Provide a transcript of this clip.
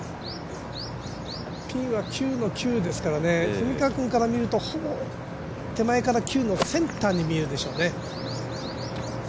ピンは９の９ですから蝉川君から見るとほぼ、手前から９のセンターに見えるでしょうね。